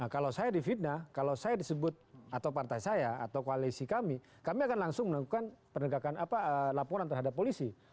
kalau saya difitnah kalau saya disebut atau partai saya atau koalisi kami kami akan langsung melakukan penegakan laporan terhadap polisi